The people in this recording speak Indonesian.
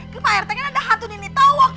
ke pak rt kan ada hantu nenek towo